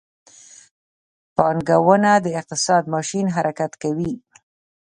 پانګونه د اقتصاد ماشین حرکت کوي.